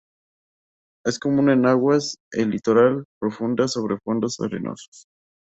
Es común en aguas del litoral y profundas, sobre fondos arenosos.